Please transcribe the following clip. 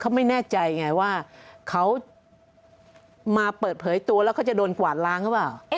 เขาไม่แน่ใจไงว่าเขามาเปิดเผยตัวแล้วเขาจะโดนกวาดล้างหรือเปล่า